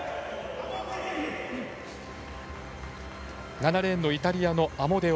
７レーンのイタリアのアモデオ。